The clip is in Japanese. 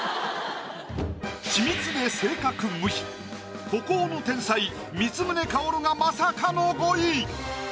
緻密で正確無比孤高の天才光宗薫がまさかの５位。